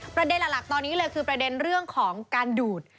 ประเด็นหลักตอนนี้เลยคือประเด็นเรื่องของการดูด